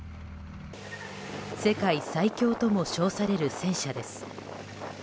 世界最強とも称される戦車です。